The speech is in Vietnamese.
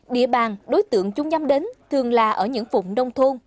địa bàn đối tượng chúng nhắm đến thường là ở những phụng nông thôn